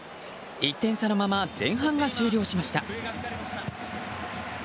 １点差のまま前半が終了しました。